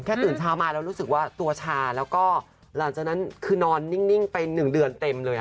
ตื่นเช้ามาแล้วรู้สึกว่าตัวชาแล้วก็หลังจากนั้นคือนอนนิ่งไป๑เดือนเต็มเลย